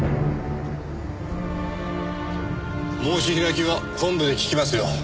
申し開きは本部で聞きますよ。